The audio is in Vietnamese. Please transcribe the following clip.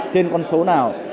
trên con số nào